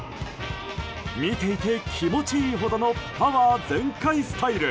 見ていて気持ちいいほどのパワー全開スタイル